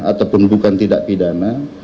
ataupun bukan tidak pidana